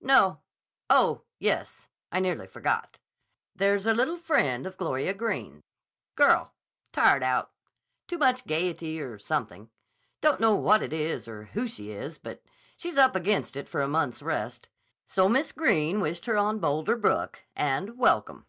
"No. Oh, yes. I nearly forgot. There's a little friend of Gloria Greene's. Girl. Tired out. Too much gayety or something. Don't know what it is or who she is, but she's up against it for a month's rest. So Miss Greene wished her on Boulder Brook, and welcome."